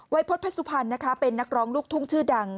พฤษเพชรสุพรรณนะคะเป็นนักร้องลูกทุ่งชื่อดัง